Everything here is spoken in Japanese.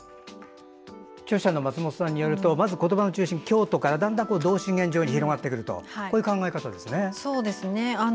著者の松本さんによると言葉の中心、京都からだんだん同心円状に広がってくるという考え方ですね。